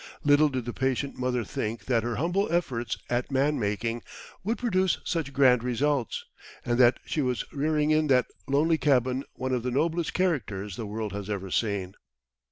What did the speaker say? Little did the patient mother think that her humble efforts at man making would produce such grand results, and that she was rearing in that lonely cabin one of the noblest characters the world has ever seen.